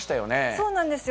そうなんですよ。